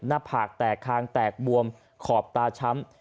หน้าผากแตกคางแตกบวมขอบตาช้ำ